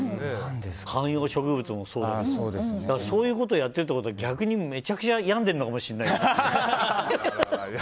観葉植物もそうだけどそういうことをやってるってことは逆にめちゃくちゃ病んでるのかもしれないけど。